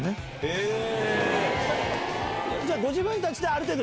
へぇ！